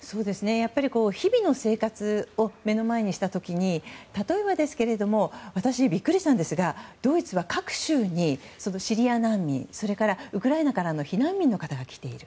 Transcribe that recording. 日々の生活を目の前にした時に例えば、私ビックリしたんですがドイツは各州にシリア難民それから、ウクライナからの避難民の方が来ている。